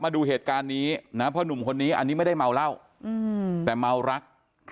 มาดูเหตุการณ์นี้นะเพราะหนุ่มคนนี้อันนี้ไม่ได้เมาเหล้าแต่เมารัก